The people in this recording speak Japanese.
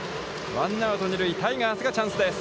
ワンアウト、二塁、タイガースがチャンスです。